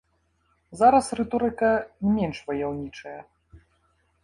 Зараз рыторыка менш ваяўнічая.